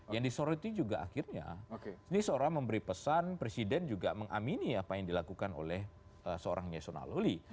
yang disoroti juga akhirnya ini seorang memberi pesan presiden juga mengamini apa yang dilakukan oleh seorang yesuna loli